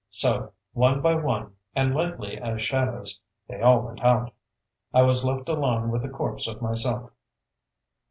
So, one by one, and lightly as shadows, they all went out. I was left alone with the corpse of myself.